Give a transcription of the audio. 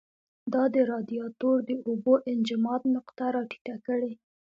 دا د رادیاتور د اوبو انجماد نقطه را ټیټه کړي.